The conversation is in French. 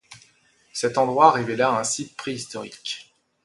Cet endroit révéla un site préhistorique.